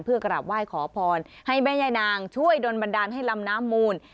เพื่อกราบไหว้ขอพรให้แม่ย่านางช่วยโดนบันดาลให้ลำน้ำมูล